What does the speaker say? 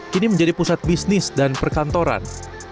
kini menjadi pusat bisnis dan perkantoran